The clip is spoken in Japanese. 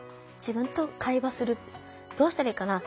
「どうしたらいいかな。